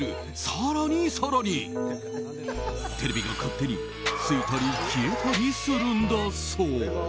更に更に、テレビが勝手についたり消えたりするんだそう。